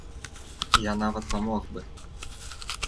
Я нават памог бы.